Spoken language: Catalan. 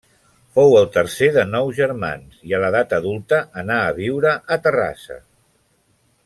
Fou el tercer de nou germans i a l'edat adulta anà a viure a Terrassa.